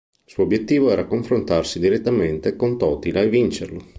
Il suo obbiettivo era confrontarsi direttamente con Totila e vincerlo.